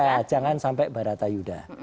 ya jangan sampai barata yuda